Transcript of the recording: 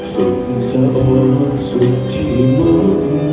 สุขจะโอดสุขที่ร่วง